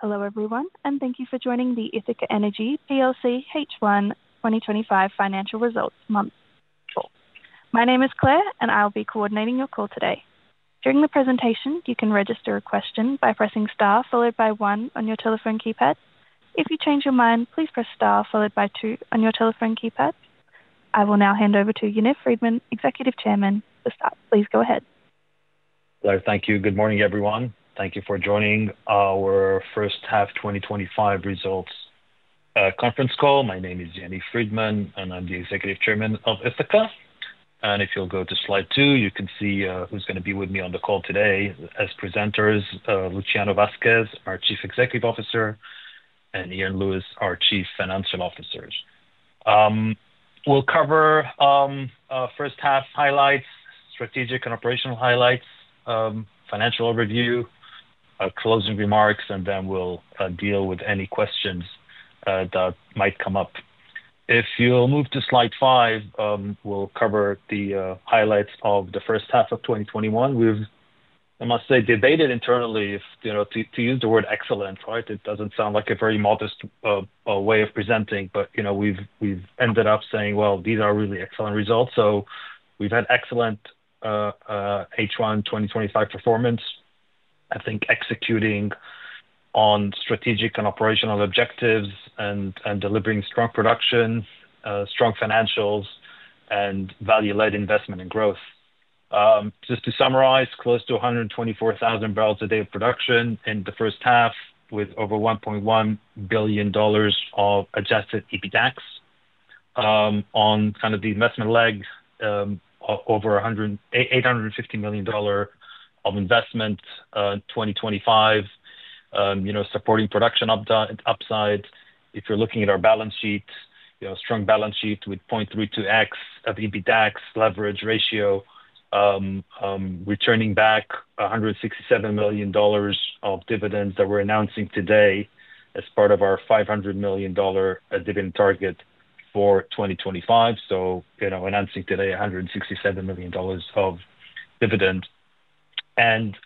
Hello everyone, and thank you for joining the Ithaca Energy Plc H1 2025 Financial Results Month. My name is Claire, and I'll be coordinating your call today. During the presentation, you can register a question by pressing star followed by one on your telephone keypad. If you change your mind, please press star followed by two on your telephone keypad. I will now hand over to Yaniv Friedman, Executive Chairman. Please go ahead. Hello, thank you. Good morning, everyone. Thank you for joining our First Half 2025 Results Conference Call. My name is Yaniv Friedman, and I'm the Executive Chairman of Ithaca. If you'll go to slide 2, you can see who's going to be with me on the call today as presenters: Luciano Vasquez, our Chief Executive Officer, and Iain Lewis, our Chief Financial Officer. We'll cover first half highlights, strategic and operational highlights, financial overview, closing remarks, and then we'll deal with any questions that might come up. If you'll move to slide 5, we'll cover the highlights of the first half of 2025. We've debated internally if, you know, to use the word excellence, right? It doesn't sound like a very modest way of presenting, but, you know, we've ended up saying, these are really excellent results. We've had excellent H1 2025 performance. I think executing on strategic and operational objectives and delivering strong production, strong financials, and value-led investment and growth. Just to summarize, close to 124,000 barrels a day of production in the first half with over $1.1 billion of adjusted EBITDA on kind of the investment leg, over $850 million of investment in 2025, supporting production upside. If you're looking at our balance sheet, strong balance sheet with 0.32x of EBITDA leverage ratio, returning back $167 million of dividends that we're announcing today as part of our $500 million dividend target for 2025. Announcing today $167 million of dividend.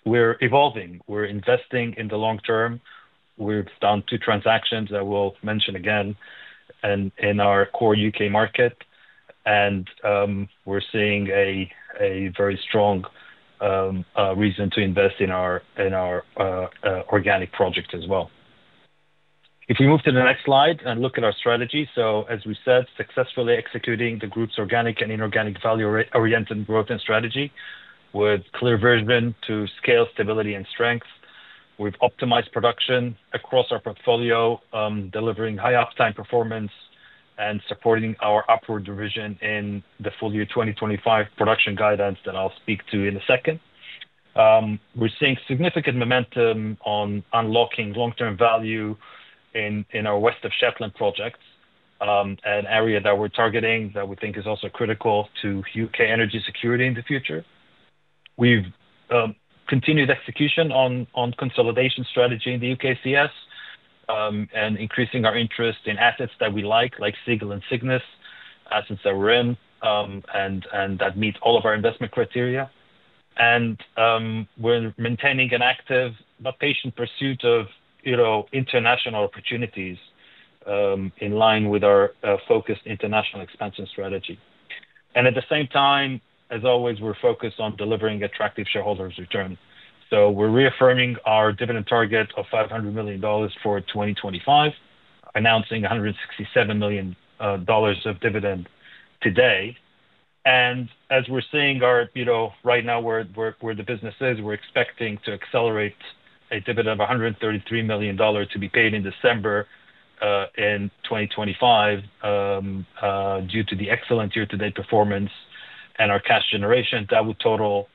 We're evolving. We're investing in the long term. We've done two transactions that we'll mention again in our core U.K. market. We're seeing a very strong reason to invest in our organic project as well. If you move to the next slide and look at our strategy, as we said, successfully executing the group's organic and inorganic value-oriented growth and strategy with clear vision to scale, stability, and strength. We've optimized production across our portfolio, delivering high uptime performance and supporting our upward revision in the full year 2025 production guidance that I'll speak to in a second. We're seeing significant momentum on unlocking long-term value in our West of Shetland projects, an area that we're targeting that we think is also critical to U.K. energy security in the future. We've continued execution on consolidation strategy in the UKCS and increasing our interest in assets that we like, like Seagull and Cygnus, assets that we're in and that meet all of our investment criteria. We're maintaining an active but patient pursuit of, you know, international opportunities in line with our focused international expansion strategy. At the same time, as always, we're focused on delivering attractive shareholder returns. We're reaffirming our dividend target of $500 million for 2025, announcing $167 million of dividend today. As we're seeing our, you know, right now where the business is, we're expecting to accelerate a dividend of $133 million to be paid in December in 2025 due to the excellent year-to-date performance and our cash generation that would total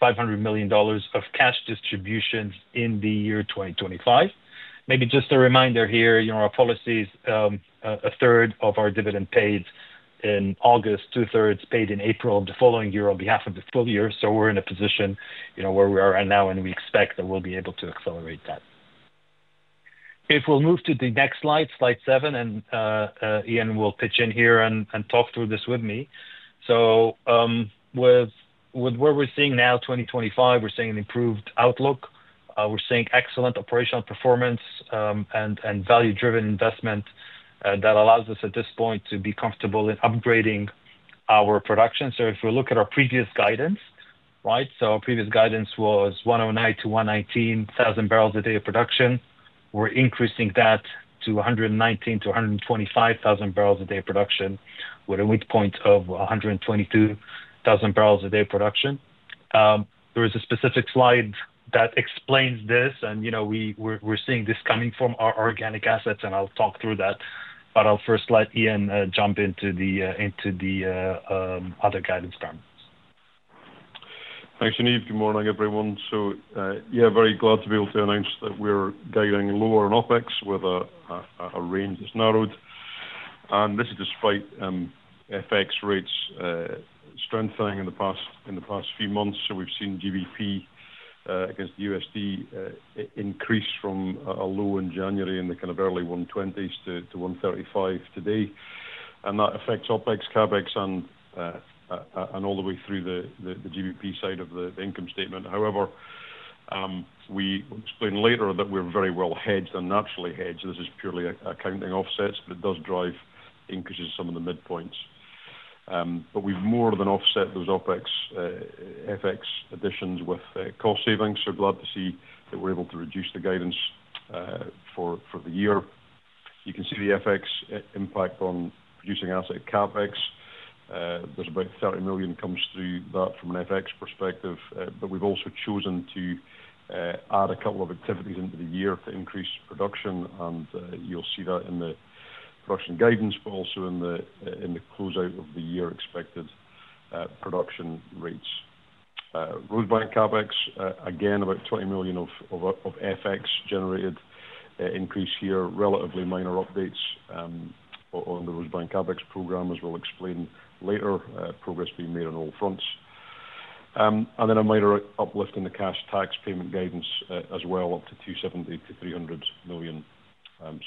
$500 million of cash distributions in the year 2025. Maybe just a reminder here, you know, our policies, a third of our dividend paid in August, two-thirds paid in April the following year on behalf of the full year. We're in a position, you know, where we are now, and we expect that we'll be able to accelerate that. If we'll move to the next slide, slide 7, and Iain will pitch in here and talk through this with me. With what we're seeing now, 2025, we're seeing an improved outlook. We're seeing excellent operational performance and value-driven investment that allows us at this point to be comfortable in upgrading our production. If we look at our previous guidance, right, so our previous guidance was 109,000-119,000 barrels a day of production. We're increasing that to 119,000-125,000 barrels a day of production with a midpoint of 122,000 barrels a day of production. There is a specific slide that explains this, and you know, we're seeing this coming from our organic assets, and I'll talk through that. I'll first let Iain jump into the other guidance parameters. Thanks, Yaniv. Good morning, everyone. Very glad to be able to announce that we're gaining lower in OpEx, whether our range is narrowed. This is despite FX rates strengthening in the past few months. We've seen GBP against the USD increase from a low in January in the kind of early 1.20 to 1.35 today. That affects OpEx, CapEx, and all the way through the GBP side of the income statement. However, we explained later that we're very well hedged and naturally hedged. This is purely accounting offsets, but it does drive increases in some of the midpoints. We've more than offset those OpEx FX additions with cost savings. Glad to see that we're able to reduce the guidance for the year. You can see the FX impact on producing asset CapEx. There's about $30 million comes through that from an FX perspective. We've also chosen to add a couple of activities into the year to increase production. You'll see that in the production guidance, but also in the closeout of the year expected production rates. Rosebank CapEx, again, about $20 million of FX generated increase here, relatively minor updates on the Rosebank CapEx program, as we'll explain later, progress being made on all fronts. Then a minor uplift in the cash tax payment guidance as well, up to $270 million-$300 million.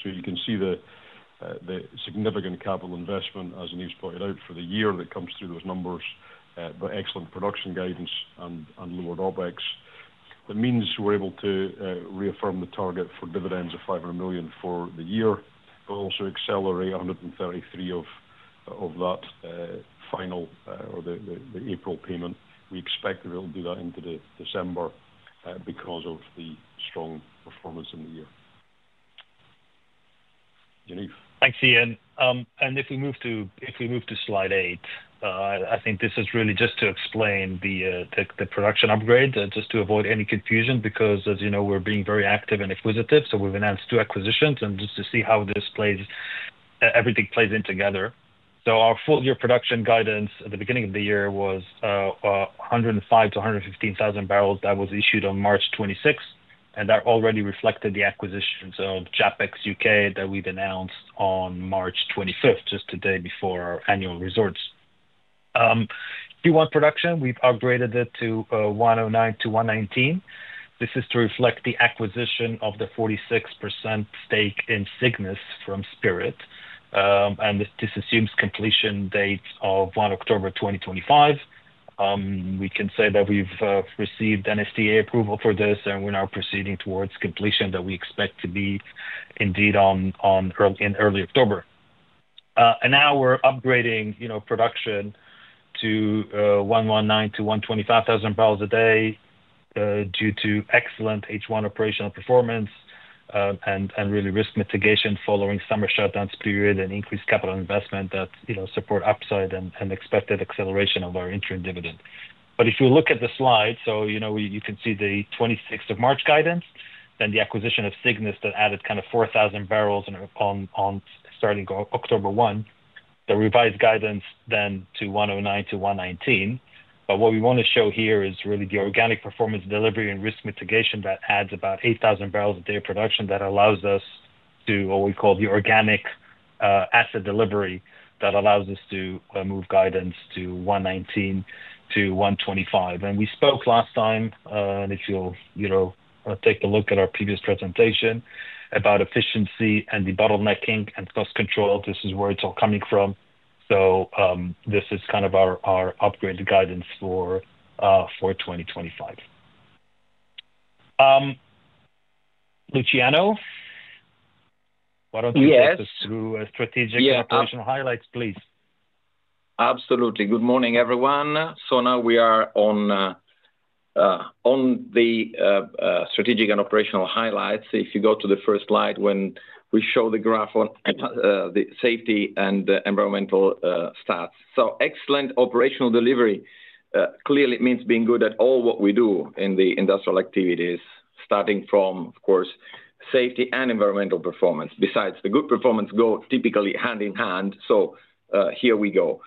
You can see the significant capital investment, as Iain's pointed out, for the year that comes through those numbers, but excellent production guidance and lowered OpEx. That means we're able to reaffirm the target for dividends of $500 million for the year, but also accelerate $133 million of that final or the April payment. We expect to be able to do that into December because of the strong performance in the year. Yaniv. Thanks, Iain. If we move to slide 8, I think this is really just to explain the production upgrade to avoid any confusion because, as you know, we're being very active and acquisitive. We've announced two acquisitions and just to see how this plays, everything plays in together. Our full-year production guidance at the beginning of the year was 105,000-115,000 barrels that was issued on March 26th. That already reflected the acquisitions of JAPEX UK that we've announced on March 25th, just a day before our annual results. P1 production, we've upgraded it to 109,000 to 119,000. This is to reflect the acquisition of the 46% stake in Cygnus from Spirit. This assumes completion dates of 1 October 2025. We can say that we've received NSTA approval for this, and we're now proceeding towards completion that we expect to be indeed in early October. Now we're upgrading production to 119,000-125,000 barrels a day due to excellent H1 operational performance and risk mitigation following summer shutdowns period and increased capital investment that support upside and expected acceleration of our interim dividend. If you look at the slide, you can see the March guidance, then the acquisition of Cygnus that added about 4,000 barrels on starting October 1. The revised guidance then to 109,000 to 119,000. What we want to show here is really the organic performance delivery and risk mitigation that adds about 8,000 barrels a day of production that allows us to, what we call the organic asset delivery, that allows us to move guidance to 119,000-125,000. We spoke last time, and if you'll take a look at our previous presentation about efficiency and debottlenecking and cost control, this is where it's all coming from. This is our upgrade guidance for 2025. Luciano, why don't you take us through strategic and operational highlights, please. Absolutely. Good morning, everyone. Now we are on the strategic and operational highlights. If you go to the first slide, we show the graph on the safety and environmental stats. Excellent operational delivery clearly means being good at all what we do in the industrial activities, starting from, of course, safety and environmental performance. Besides, the good performance goes typically hand in hand. Here we go.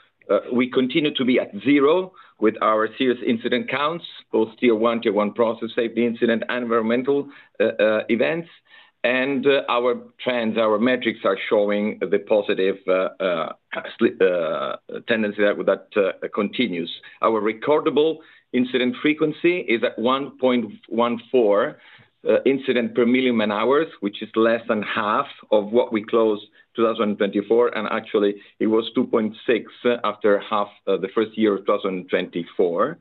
We continue to be at zero with our serious incident counts, both tier one, tier one process safety incident and environmental events. Our trends, our metrics are showing the positive tendency that continues. Our recordable incident frequency is at 1.14 incidents per million man hours, which is less than half of what we closed in 2024. Actually, it was 2.6 after half the first year of 2024.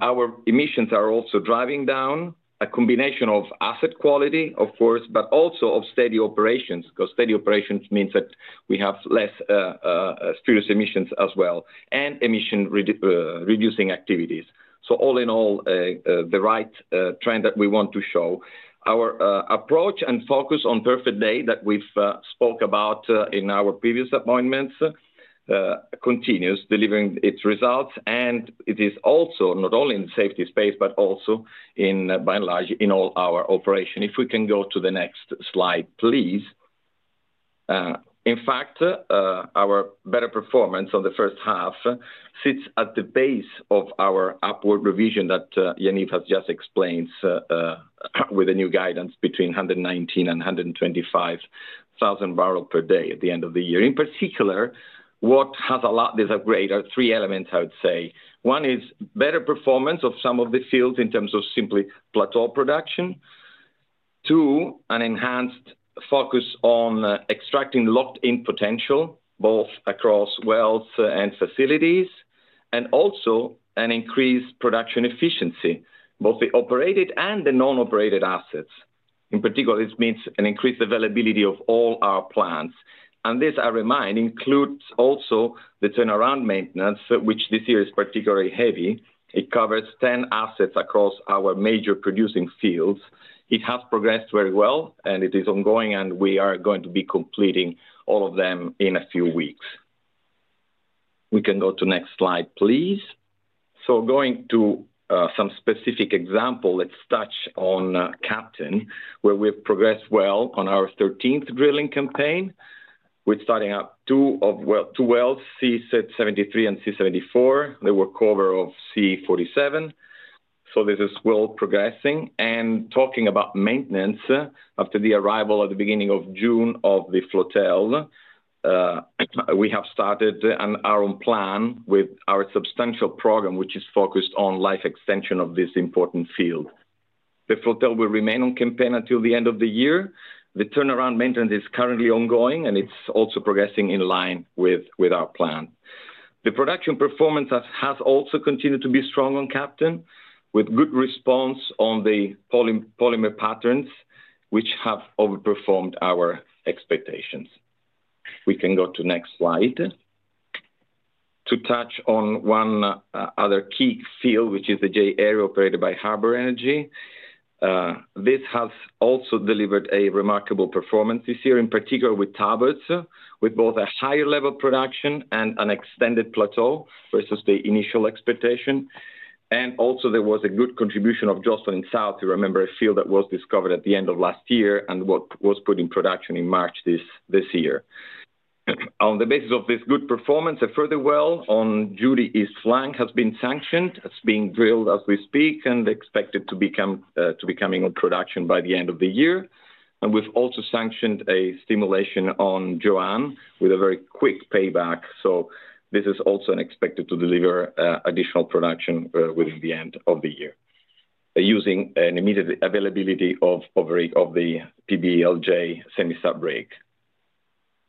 Our emissions are also driving down, a combination of asset quality, of course, but also of steady operations, because steady operations means that we have less serious emissions as well and emission-reducing activities. All in all, the right trend that we want to show. Our approach and focus on perfect day that we've spoken about in our previous appointments continues delivering its results. It is also not only in the safety space, but also by and large in all our operations. If we can go to the next slide, please. In fact, our better performance on the first half sits at the base of our upward revision that Yaniv has just explained with the new guidance between 119,000-125,000 barrels per day at the end of the year. In particular, what has allowed this upgrade are three elements, I would say. One is better performance of some of the fields in terms of simply plateau production. Two, an enhanced focus on extracting locked-in potential, both across wells and facilities, and also an increased production efficiency, both the operated and the non-operated assets. In particular, this means an increased availability of all our plants. This, I remind, includes also the turnaround maintenance, which this year is particularly heavy. It covers 10 assets across our major producing fields. It has progressed very well, and it is ongoing, and we are going to be completing all of them in a few weeks. We can go to the next slide, please. Going to some specific examples, let's touch on Captain, where we've progressed well on our 13th drilling campaign. We're starting up two wells, C73 and C74. They will cover C47. This is well progressing. Talking about maintenance, after the arrival at the beginning of June of the flotil, we have started our own plan with our substantial program, which is focused on life extension of this important field. The flotil will remain on campaign until the end of the year. The turnaround maintenance is currently ongoing, and it's also progressing in line with our plan. The production performance has also continued to be strong on Captain, with good response on the polymer patterns, which have overperformed our expectations. We can go to the next slide. To touch on one other key field, which is the J Area operated by Harbor Energy. This has also delivered a remarkable performance this year, in particular with Talbot, with both a higher level of production and an extended plateau versus the initial expectation. There was a good contribution of Jocelyn South. We remember a field that was discovered at the end of last year and was put in production in March this year. On the basis of this good performance, a further well on Judy East Flank has been sanctioned. It's being drilled as we speak and expected to be coming on production by the end of the year. We've also sanctioned a stimulation on Joanne with a very quick payback. This is also expected to deliver additional production within the end of the year, using an immediate availability of the PBLJ semi-sub rig.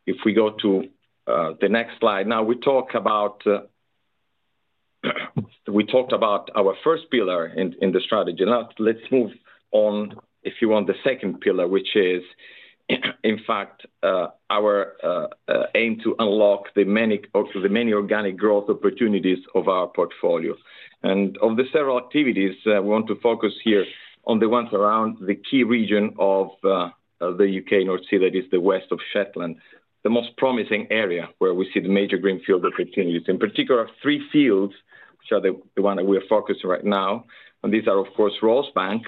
If we go to the next slide, now we talk about our first pillar in the strategy. Now let's move on, if you want, to the second pillar, which is, in fact, our aim to unlock the many organic growth opportunities of our portfolio. Of the several activities, we want to focus here on the ones around the key region of the U.K. North Sea that is the West of Shetland, the most promising area where we see the major greenfield opportunities. In particular, three fields, which are the ones that we are focused on right now. These are, of course, Rosebank,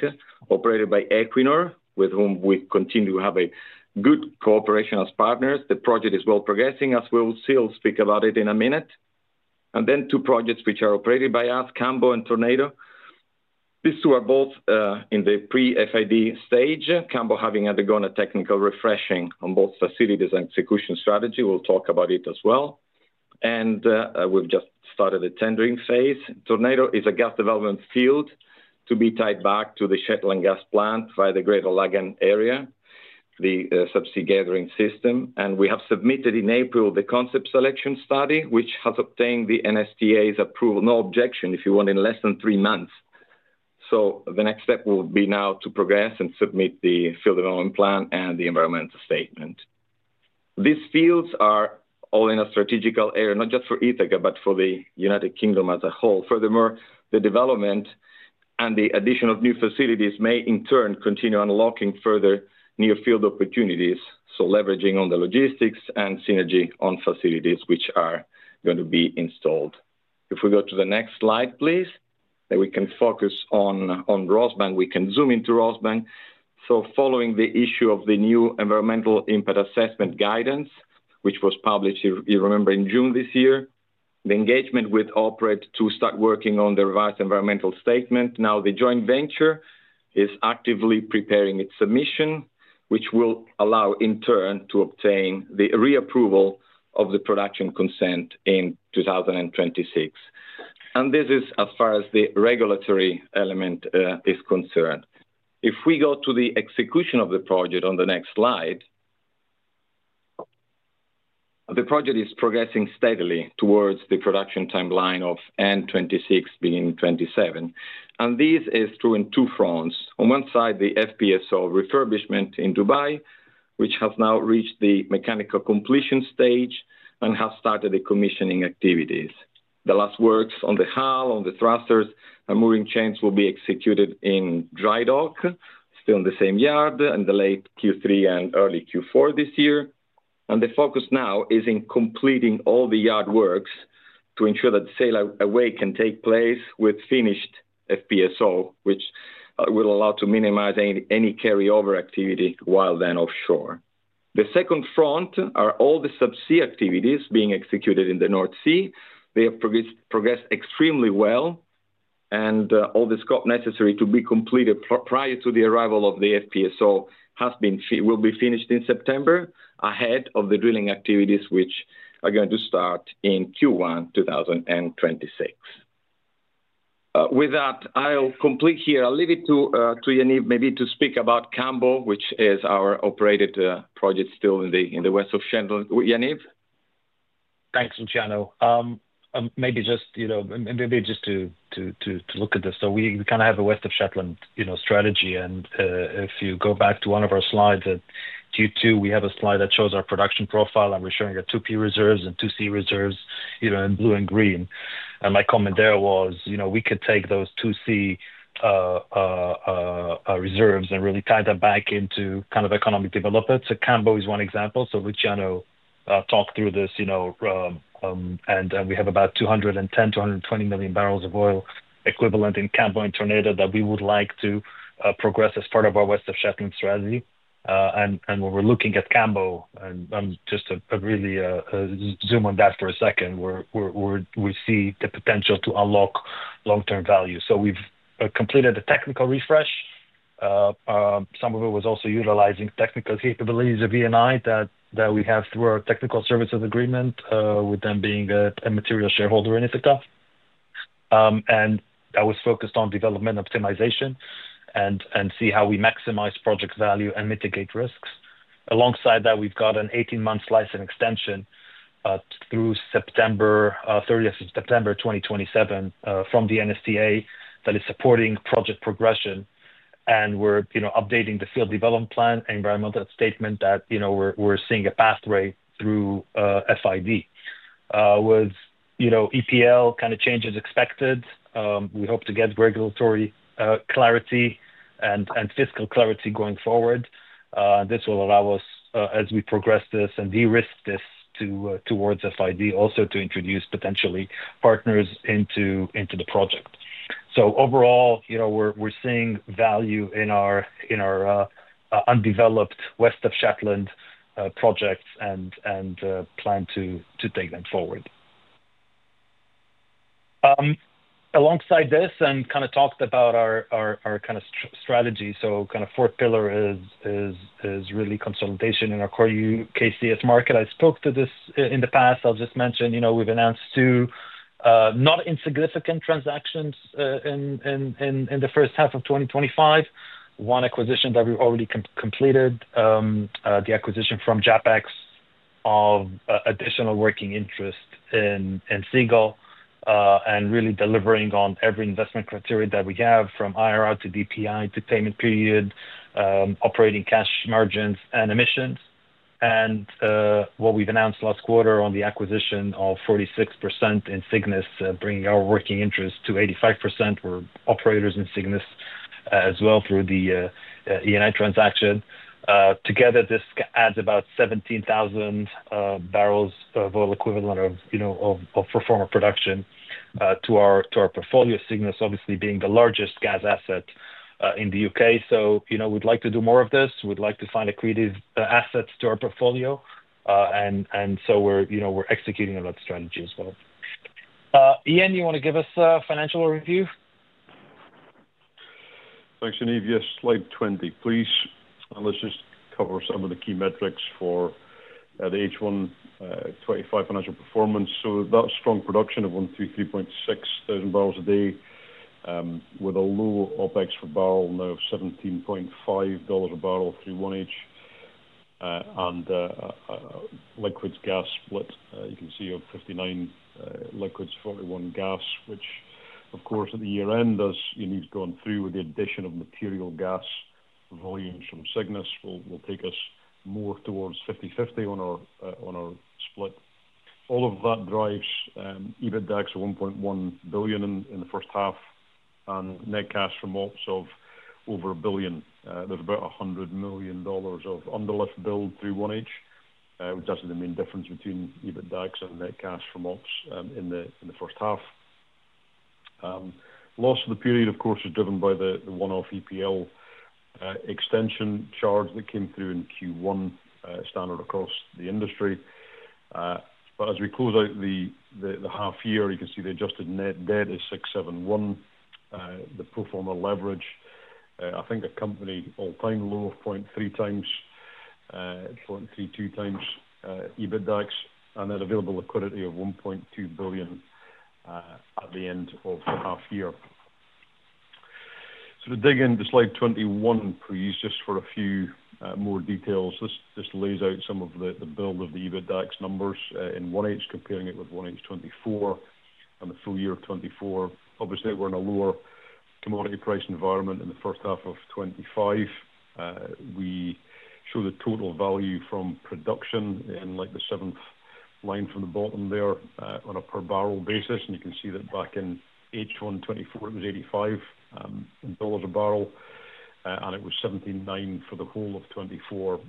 operated by Equinor, with whom we continue to have a good cooperation as partners. The project is well progressing, as we will still speak about it in a minute. Then two projects which are operated by us, Campbell and Tornado. These two are both in the pre-FID stage. Campbell having undergone a technical refreshing on both facilities and execution strategy. We'll talk about it as well. We've just started the tendering phase. Tornado is a gas development field to be tied back to the Shetland Gas Plant via the Greater Laggan area, the subsea gathering system. We have submitted in April the concept selection study, which has obtained the NSTA's approval, no objection, if you want, in less than three months. The next step will be now to progress and submit the field development plan and the environmental statement. These fields are all in a strategical area, not just for Ithaca, but for the United Kingdom as a whole. Furthermore, the development and the addition of new facilities may in turn continue unlocking further near-field opportunities, leveraging on the logistics and synergy on facilities which are going to be installed. If we go to the next slide, please, we can focus on Rosebank. We can zoom into Rosebank. Following the issue of the new environmental impact assessment guidance, which was published, you remember, in June this year, the engagement with OPRED to start working on the revised environmental statement. Now the joint venture is actively preparing its submission, which will allow in turn to obtain the reapproval of the production consent in 2026. This is as far as the regulatory element is concerned. If we go to the execution of the project on the next slide, the project is progressing steadily towards the production timeline of end 2026, beginning 2027. This is through in two fronts. On one side, the FPSO refurbishment in Dubai, which has now reached the mechanical completion stage and has started the commissioning activities. The last works on the hull, on the thrusters, and moving chains will be executed in drydock, still in the same yard, in the late Q3 and early Q4 this year. The focus now is in completing all the yard works to ensure that the sailaway can take place with finished FPSO, which will allow to minimize any carryover activity while then offshore. The second front are all the subsea activities being executed in the North Sea. They have progressed extremely well, and all the scope necessary to be completed prior to the arrival of the FPSO will be finished in September, ahead of the drilling activities which are going to start in Q1 2026. With that, I'll complete here. I'll leave it to Yaniv maybe to speak about Campbell, which is our operated project still in the West of Shetland. Yaniv? Thanks, Luciano. Maybe just to look at this. We kind of have a West of Shetland strategy. If you go back to one of our slides at Q2, we have a slide that shows our production profile. I'm showing the 2P reserves and 2C reserves in blue and green. My comment there was we could take those 2C reserves and really tie them back into economic development. Campbell is one example. Luciano talked through this, and we have about 210-220 million barrels of oil equivalent in Campbell and Tornado that we would like to progress as part of our West of Shetland strategy. When we're looking at Campbell, and I'm just going to really zoom on that for a second, we see the potential to unlock long-term value. We've completed a technical refresh. Some of it was also utilizing technical capabilities of Eni S.p.A. that we have through our technical services agreement, with them being a material shareholder in Ithaca Energy. I was focused on development optimization and seeing how we maximize project value and mitigate risks. Alongside that, we've got an 18-month license extension through September 30, 2027, from the NSTA that is supporting project progression. We're updating the field development plan and environmental statement, and we're seeing a pathway through FID. With EPL changes expected, we hope to get regulatory clarity and fiscal clarity going forward. This will allow us, as we progress this and de-risk this towards FID, also to introduce potentially partners into the project. Overall, we're seeing value in our undeveloped West of Shetland projects and plan to take that forward. Alongside this, and kind of talked about our strategy, the fourth pillar is really consolidation in our core UKCS market. I spoke to this in the past. I'll just mention we've announced two not insignificant transactions in the first half of 2025. One acquisition that we've already completed, the acquisition from JAPEX of additional working interest in Seagull, really delivering on every investment criteria that we have from IRR to DPI to payment period, operating cash margins, and emissions. What we've announced last quarter on the acquisition of 46% in Cygnus, bringing our working interest to 85%. We're operators in Cygnus as well through the Eni S.p.A. transaction. Together, this adds about 17,000 barrels of oil equivalent of pro forma production to our portfolio. Cygnus, obviously, being the largest gas asset in the UK. We'd like to do more of this. We'd like to find accretive assets to our portfolio. We're executing on that strategy as well. Iain, you want to give us a financial overview? Thanks, Yaniv. Yes, slide 20, please. Let's just cover some of the key metrics for the H1 2025 financial performance. That strong production of 123.6 thousand barrels a day, with a low OpEx per barrel, now $17.5 a barrel through 1H, and liquids gas split. You can see you have 59 liquids for 41 gas, which, of course, at the year-end, as Yaniv's gone through with the addition of material gas volumes from Cygnus, will take us more towards 50-50 on our split. All of that drives EBITDAX $1.1 billion in the first half and net cash from ops of over $1 billion. There's about $100 million of underlift bill through 1H, which is actually the main difference between EBITDAX and net cash from ops in the first half. Loss of the period, of course, is driven by the one-off EPL extension charge that came through in Q1, standard across the industry. As we close out the half year, you can see the adjusted net debt is $671 million, the pro forma leverage. I think the company all-time low of 0.3x, 0.32x EBITDAX and an available liquidity of $1.2 billion at the end of the half year. To dig into slide 21, please, just for a few more details, this lays out some of the build of the EBITDAX numbers in 1H, comparing it with 1H 2024 and the full year 2024. Obviously, we're in a lower commodity price environment in the first half of 2025. We show the total value from production in like the seventh line from the bottom there on a per barrel basis. You can see that back in H1 2024, it was $85 a barrel, and it was $79 for the whole of 2024.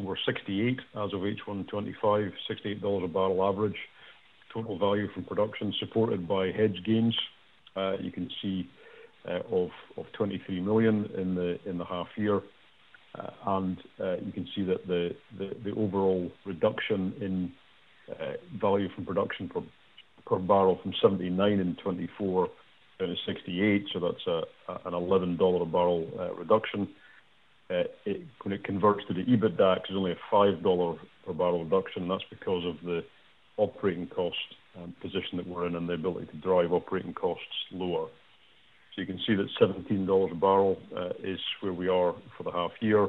We're $68 as of H1 2025, $68 a barrel average. Total value from production supported by hedge gains, you can see of $23 million in the half year. You can see that the overall reduction in value from production per barrel from $79 in 2024 is $68. That's an $11 a barrel reduction. When it converts to the EBITDA, it's only a $5 per barrel reduction. That's because of the operating cost position that we're in and the ability to drive operating costs lower. You can see that $17 a barrel is where we are for the half year.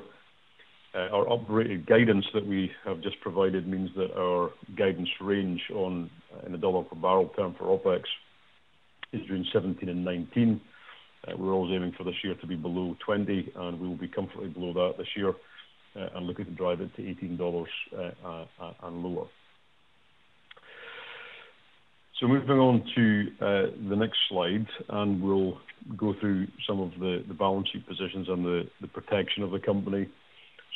Our operator guidance that we have just provided means that our guidance range in a dollar per barrel term for OpEx is between $17-$19. We're always aiming for this year to be below $20, and we will be comfortably below that this year and looking to drive it to $18 and lower. Moving on to the next slide, we'll go through some of the balance sheet positions and the protection of the company.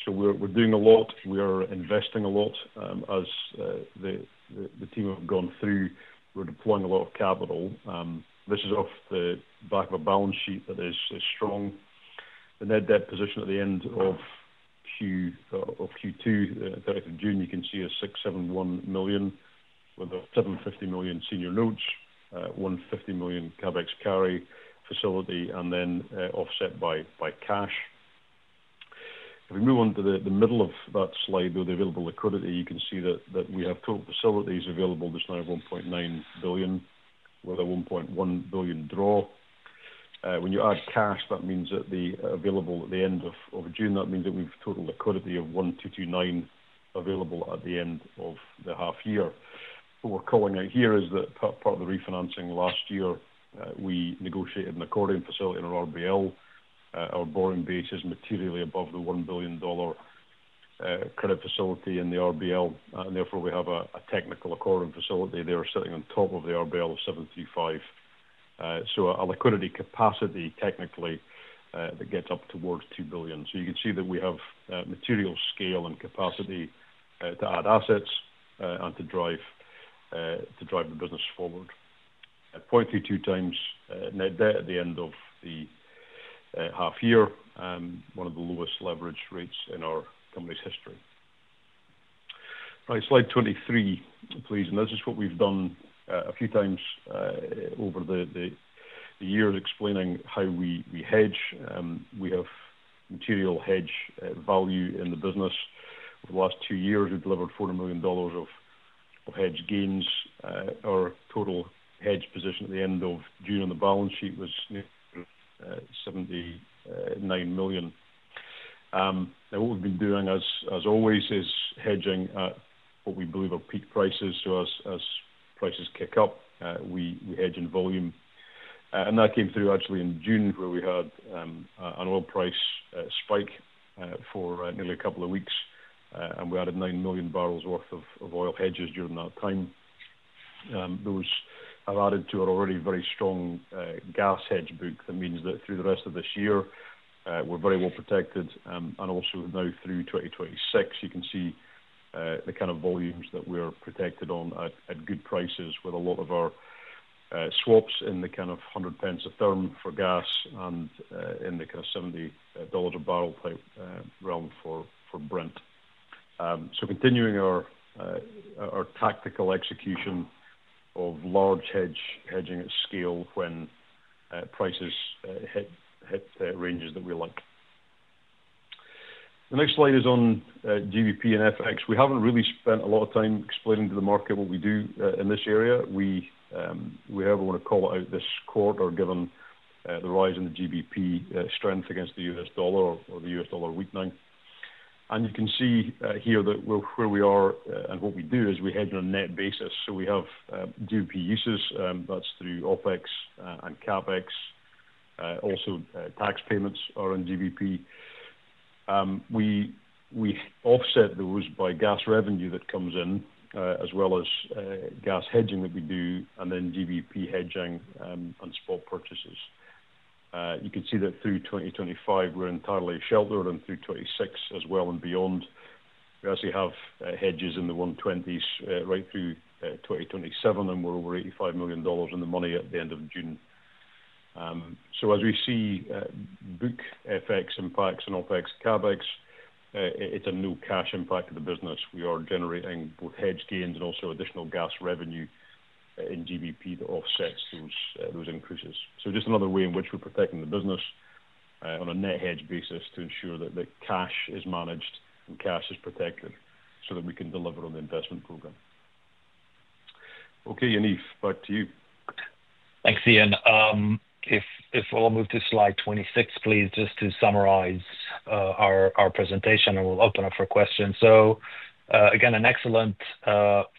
We're doing a lot. We are investing a lot. As the team have gone through, we're deploying a lot of capital. This is off the back of a balance sheet that is strong. The net debt position at the end of Q2, the 2nd of June, you can see is $671 million with a $750 million senior notes, $150 million CapEx carry facility, and then offset by cash. If we move on to the middle of that slide, though, the available liquidity, you can see that we have total facilities available this time of $1.9 billion with a $1.1 billion draw. When you add cash, that means that the available at the end of June, that means that we've total liquidity of $1,229 available at the end of the half year. What we're calling out here is that part of the refinancing last year, we negotiated an accordion facility in our RBL. Our borrowing base is materially above the $1 billion credit facility in the RBL, and therefore we have a technical accordion facility there sitting on top of the RBL of $735 million. Our liquidity capacity technically gets up towards $2 billion. You can see that we have material scale and capacity to add assets and to drive the business forward. At 0.32x net debt at the end of the half year, one of the lowest leverage rates in our company's history. All right, slide 23, please. This is what we've done a few times over the years explaining how we hedge. We have material hedge value in the business. Over the last two years, we've delivered $40 million of hedge gains. Our total hedge position at the end of June on the balance sheet was $79 million. What we've been doing, as always, is hedging at what we believe are peak prices. As prices kick up, we hedge in volume. That came through actually in June, where we had an oil price spike for nearly a couple of weeks, and we added 9 million barrels worth of oil hedges during that time. Those have added to an already very strong gas hedge book. That means that through the rest of this year, we're very well protected. Also now through 2026, you can see the kind of volumes that we're protected on at good prices with a lot of our swaps in the kind of 100 pence a therm for gas and in the kind of $70 a barrel type realm for Brent. Continuing our tactical execution of large hedging at scale when prices hit ranges that we like. The next slide is on GBP and FX. We haven't really spent a lot of time explaining to the market what we do in this area. We have, I want to call it out this quarter given the rise in the GBP strength against the U.S. dollar or the U.S. dollar weakening. You can see here that where we are and what we do is we hedge on a net basis. We have GBP uses. That's through OpEx and CapEx. Also, tax payments are in GBP. We offset those by gas revenue that comes in, as well as gas hedging that we do, and then GBP hedging and spot purchases. You can see that through 2025, we're entirely sheltered, and through 2026 as well and beyond, we actually have hedges in the 120s right through 2027, and we're over $85 million in the money at the end of June. As we see book FX impacts and OpEx, CapEx, it's a new cash impact to the business. We are generating both hedge gains and also additional gas revenue in GBP that offsets those increases. This is just another way in which we're protecting the business on a net hedge basis to ensure that the cash is managed and cash is protected so that we can deliver on the investment program. Okay, Yaniv, back to you. Thanks, Iain. If we'll all move to slide 26, please, just to summarize our presentation, and we'll open up for questions. Again, an excellent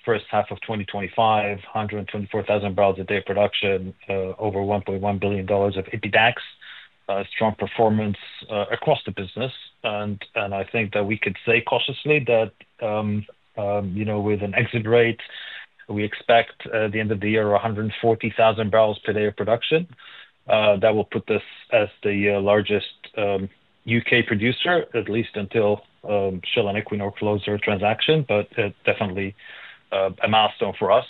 first half of 2025, 124,000 barrels a day production, over $1.1 billion of EBITDA, strong performance across the business. I think that we could say cautiously that, you know, with an exit rate, we expect at the end of the year 140,000 barrels per day of production. That will put us as the largest U.K. producer, at least until Shell and Equinor close their transaction, but definitely a milestone for us.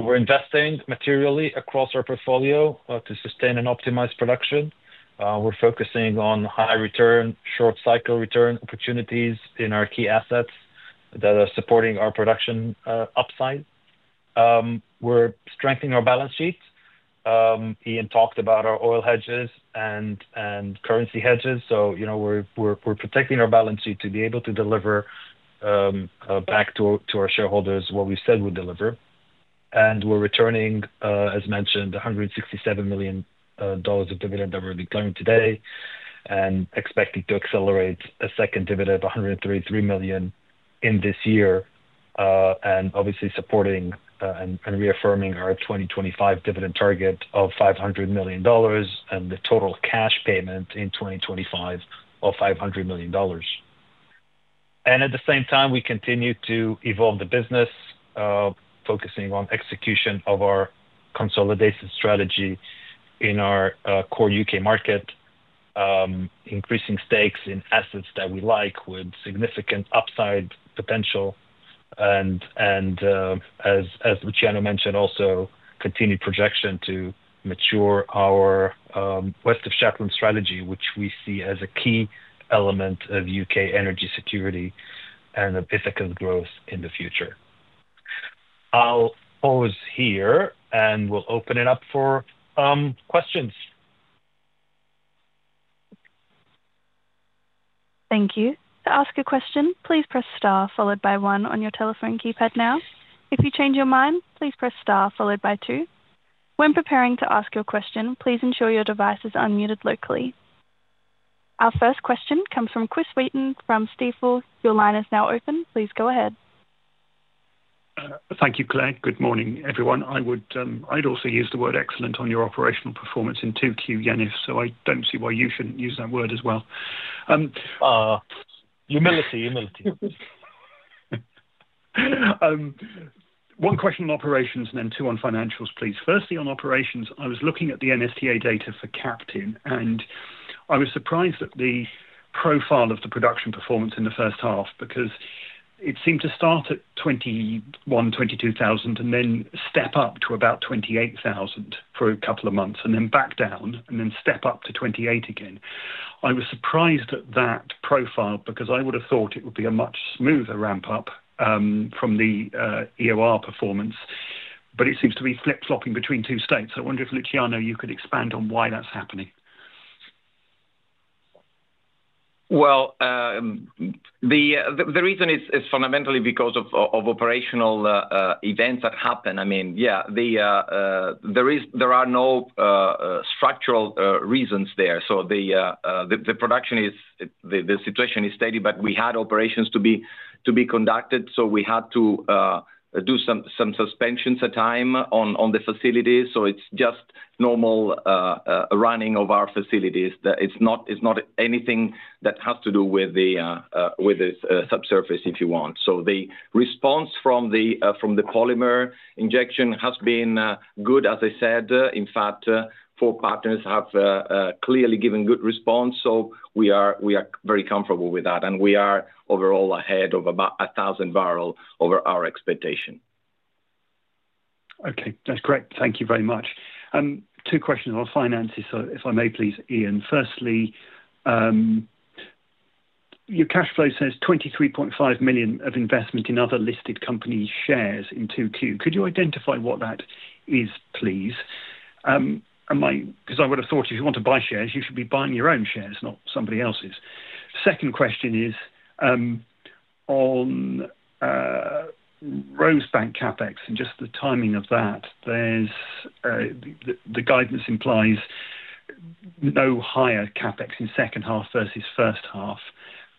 We're investing materially across our portfolio to sustain and optimize production. We're focusing on high return, short cycle return opportunities in our key assets that are supporting our production upside. We're strengthening our balance sheet. Iain talked about our oil hedges and currency hedges. We're protecting our balance sheet to be able to deliver back to our shareholders what we said we'd deliver. We're returning, as mentioned, $167 million of dividend that we're declaring today and expecting to accelerate a second dividend of $133 million in this year, and obviously supporting and reaffirming our 2025 dividend target of $500 million and the total cash payment in 2025 of $500 million. At the same time, we continue to evolve the business, focusing on execution of our consolidation strategy in our core UK market, increasing stakes in assets that we like with significant upside potential. As Luciano mentioned, also continued projection to mature our West of Shetland strategy, which we see as a key element of U.K. energy security and of Ithaca's growth in the future. I'll pause here and we'll open it up for questions. Thank you. To ask a question, please press star followed by one on your telephone keypad now. If you change your mind, please press star followed by two. When preparing to ask your question, please ensure your device is unmuted locally. Our first question comes from Chris Wheaton from Stifel. Your line is now open. Please go ahead. Thank you, Claire. Good morning, everyone. I'd also use the word excellent on your operational performance in 2Q, Yaniv, so I don't see why you shouldn't use that word as well. Humility, humility. One question on operations and then two on financials, please. Firstly, on operations, I was looking at the NSTA data for Captain, and I was surprised at the profile of the production performance in the first half because it seemed to start at 21,000, 22,000 and then step up to about 28,000 for a couple of months and then back down and then step up to 28,000 again. I was surprised at that profile because I would have thought it would be a much smoother ramp-up from the EOR performance, but it seems to be flip-flopping between two states. I wonder if Luciano, you could expand on why that's happening. The reason is fundamentally because of operational events that happen. I mean, yeah, there are no structural reasons there. The production is, the situation is steady, but we had operations to be conducted, so we had to do some suspensions at a time on the facilities. It's just normal running of our facilities. It's not anything that has to do with the subsurface, if you want. The response from the polymer injection has been good, as I said. In fact, four partners have clearly given good response, so we are very comfortable with that. We are overall ahead of about 1,000 barrels over our expectation. Okay, that's great. Thank you very much. Two questions on finances, if I may, please, Iain. Firstly, your cash flow says $23.5 million of investment in other listed company shares in 2Q. Could you identify what that is, please? Because I would have thought if you want to buy shares, you should be buying your own shares, not somebody else's. Second question is on Rosebank CapEx and just the timing of that. The guidance implies no higher CapEx in second half versus first half.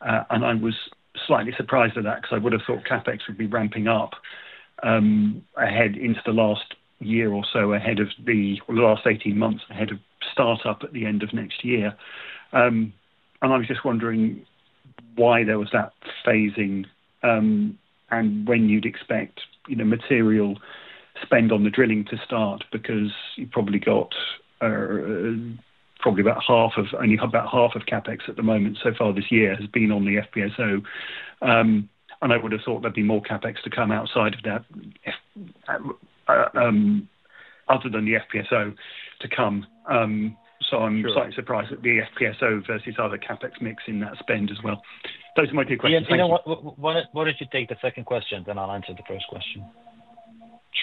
I was slightly surprised at that because I would have thought CapEx would be ramping up into the last year or so ahead of the last 18 months ahead of startup at the end of next year. I was just wondering why there was that phasing and when you'd expect material spend on the drilling to start because you probably got about half of only about half of CapEx at the moment so far this year has been on the FPSO. I would have thought there'd be more CapEx to come outside of that other than the FPSO to come. I'm slightly surprised at the FPSO versus other CapEx mix in that spend as well. Those are my two questions. Iain, do you know what? Why don't you take the second question, then I'll answer the first question?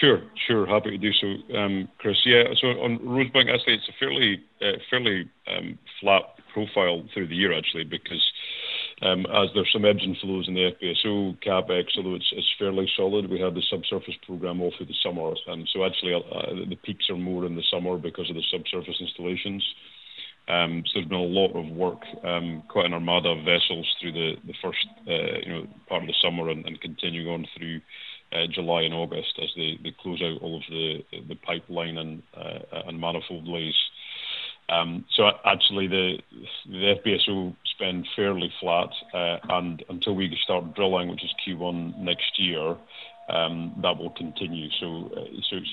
Sure, sure. Happy to do so, Chris. Yeah, on Rosebank, I'd say it's a fairly flat profile through the year, actually, because as there's some engine flows in the FPSO, CapEx, although it's fairly solid, we had the subsurface program all through the summer. The peaks are more in the summer because of the subsurface installations. There's been a lot of work cutting our mother vessels through the first part of the summer and continuing on through July and August as they close out all of the pipeline and manifold lays. The FPSO spend is fairly flat, and until we start drilling, which is Q1 next year, that will continue.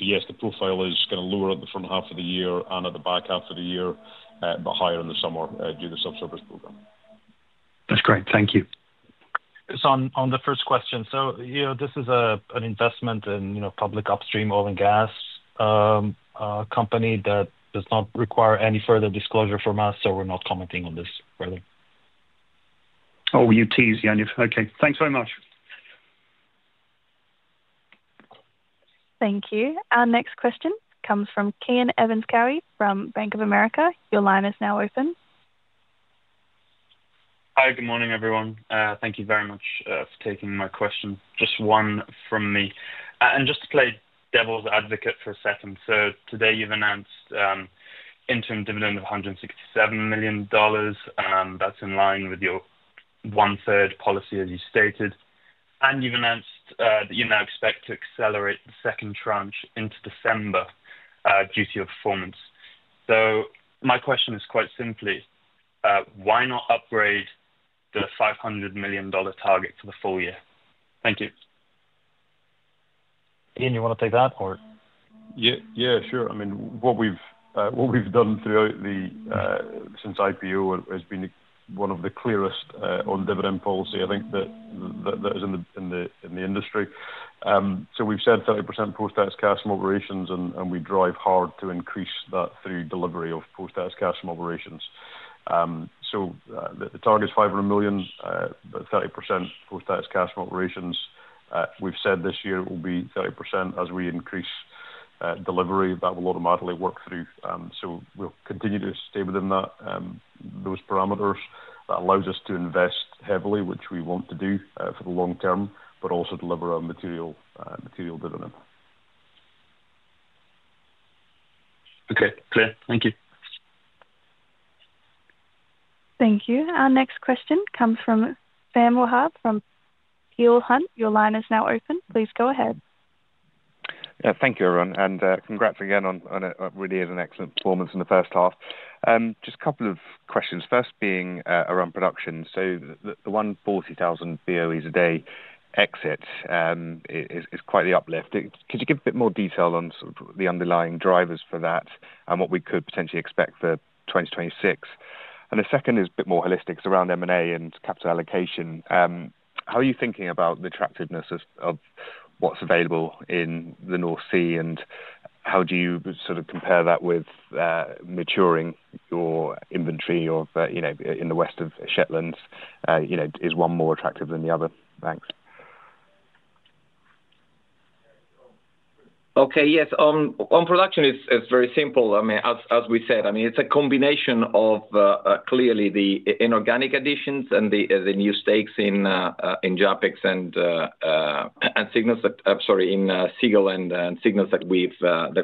Yes, the profile is going to be lower at the front half of the year and at the back half of the year, but higher in the summer due to the subsurface program. That's great. Thank you. This is an investment in a public upstream oil and gas company that does not require any further disclosure from us, so we're not commenting on this further. Oh, you tease, Yaniv. Okay, thanks very much. Thank you. Our next question comes from Cian Evans-Cowie from Bank of America. Your line is now open. Hi, good morning, everyone. Thank you very much for taking my question. Just one from me. Just to play devil's advocate for a second, today you've announced an interim dividend of $167 million, and that's in line with your one-third policy, as you stated. You've announced that you now expect to accelerate the second tranche into December due to your performance. My question is quite simply, why not upgrade the $500 million target for the full year? Thank you. Iain, you want to take that or? Yeah, sure. I mean, what we've done throughout since IPO has been one of the clearest on dividend policy, I think, that is in the industry. We've said 30% post-tax cash from operations, and we drive hard to increase that through delivery of post-tax cash from operations. The target is $500 million, but 30% post-tax cash from operations. We've said this year it will be 30% as we increase delivery. That will automatically work through. We'll continue to stay within those parameters. That allows us to invest heavily, which we want to do for the long term, but also deliver a material dividend. Okay, clear. Thank you. Thank you. Our next question comes from Sam Wahab from Peel Hunt. Your line is now open. Please go ahead. Thank you, everyone. Congrats again on it. It really is an excellent performance in the first half. Just a couple of questions. First, being around production. The 140,000 BOEs a day exit is quite the uplift. Could you give a bit more detail on the underlying drivers for that and what we could potentially expect for 2026? The second is a bit more holistic. It's around M&A and capital allocation. How are you thinking about the attractiveness of what's available in the North Sea, and how do you compare that with maturing your inventory in the West of Shetland? Is one more attractive than the other? Okay, yes. On production, it's very simple. I mean, as we said, it's a combination of clearly the inorganic additions and the new stakes in JAPEX and Seagull and signals that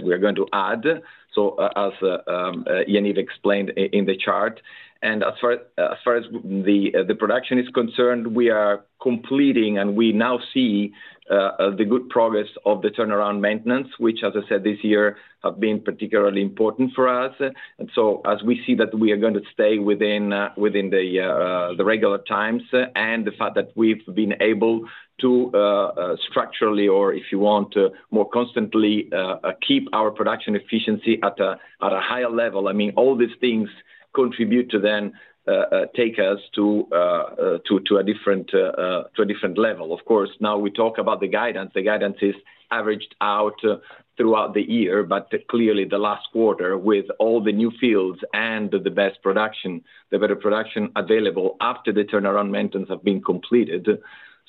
we are going to add. As Yaniv explained in the chart, as far as the production is concerned, we are completing, and we now see the good progress of the turnaround maintenance, which, as I said, this year has been particularly important for us. We see that we are going to stay within the regular times, and the fact that we've been able to structurally, or if you want, more constantly keep our production efficiency at a higher level, all these things contribute to then take us to a different level. Of course, now we talk about the guidance. The guidance is averaged out throughout the year, but clearly the last quarter with all the new fields and the best production, the better production available after the turnaround maintenance has been completed.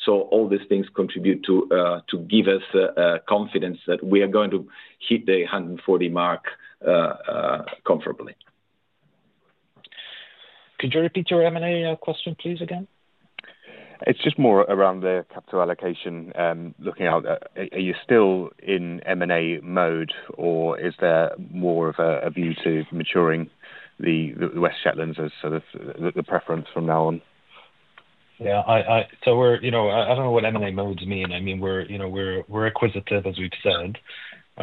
All these things contribute to give us confidence that we are going to hit the 140 mark comfortably. Could you repeat your M&A question, please? It's just more around the capital allocation. Looking out, are you still in M&A mode, or is there more of a view to maturing the West of Shetland as sort of the preference from now on? Yeah, we're, you know, I don't know what M&A modes mean. I mean, we're acquisitive, as we've said.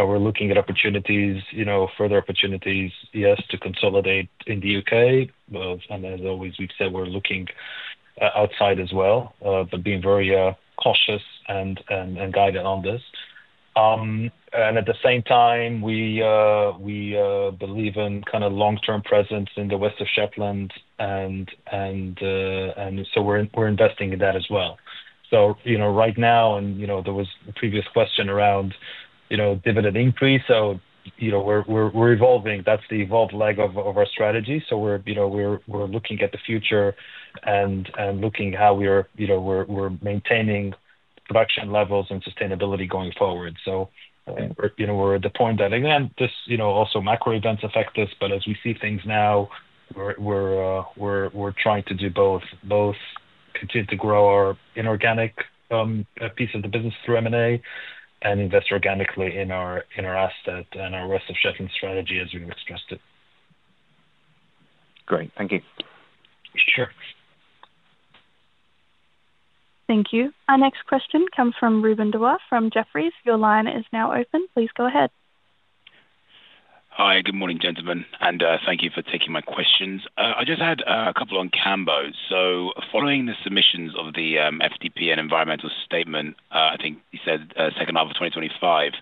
We're looking at opportunities, further opportunities, yes, to consolidate in the U.K.. As always, we've said we're looking outside as well, but being very cautious and guided on this. At the same time, we believe in kind of long-term presence in the West of Shetland, and we're investing in that as well. Right now, there was a previous question around dividend increase. We're evolving. That's the evolved leg of our strategy. We're looking at the future and looking at how we are maintaining production levels and sustainability going forward. We're at the point that, again, this, also macro events affect this, but as we see things now, we're trying to do both, both continue to grow our inorganic piece of the business through M&A and invest organically in our asset and our West of Shetland strategy, as we've expressed it. Great. Thank you. Sure. Thank you. Our next question comes from [Riven Dwah] from Jefferies. Your line is now open. Please go ahead. Hi, good morning, gentlemen. Thank you for taking my questions. I just had a couple on Cambo. Following the submissions of the FDP and environmental statement, I think you said second half of 2025.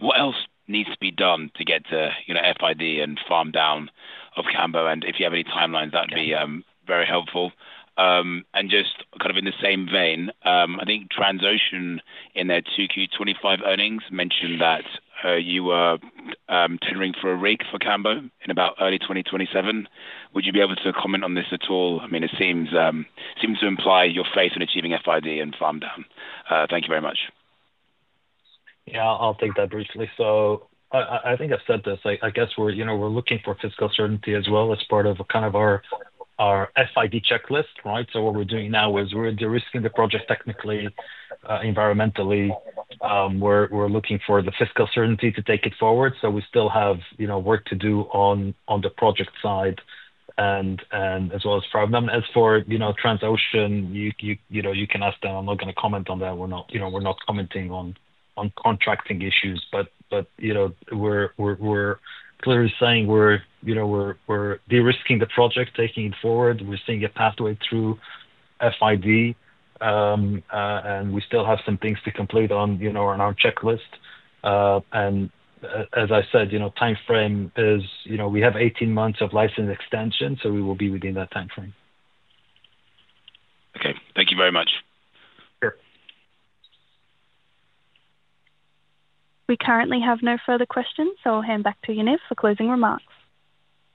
What else needs to be done to get to FID and farm down of Cambo? If you have any timelines, that'd be very helpful. Just kind of in the same vein, I think Transocean in their 2Q 2025 earnings mentioned that you were tendering for a rig for Cambo in about early 2027. Would you be able to comment on this at all? It seems to imply your faith in achieving FID and farm down. Thank you very much. Yeah, I'll take that briefly. I think I've said this. We're looking for fiscal certainty as well as part of our FID checklist, right? What we're doing now is we're de-risking the project technically and environmentally. We're looking for the fiscal certainty to take it forward. We still have work to do on the project side as well as farm down. As for TransOcean, you can ask them. I'm not going to comment on that. We're not commenting on contracting issues. We're clearly saying we're de-risking the project, taking it forward. We're seeing a pathway through FID. We still have some things to complete on our checklist. As I said, timeframe is, we have 18 months of license extension, so we will be within that timeframe. Okay, thank you very much. Sure. We currently have no further questions, so I'll hand back to Yaniv for closing remarks.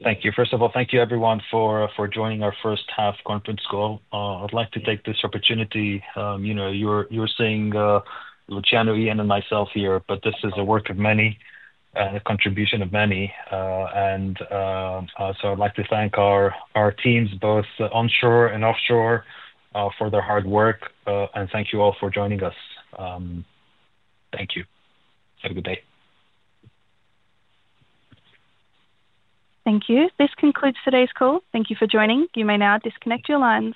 Thank you. First of all, thank you, everyone, for joining our first half conference call. I'd like to take this opportunity. You know, you're seeing Luciano, Iain, and myself here, but this is the work of many and the contribution of many. I'd like to thank our teams, both onshore and offshore, for their hard work. Thank you all for joining us. Thank you. Have a good day. Thank you. This concludes today's call. Thank you for joining. You may now disconnect your line.